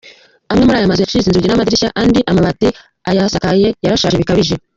Amwe muri aya mazu yacitse inzugi n’amadirishya, andi amabati ayasakaye yarashaje bikabije.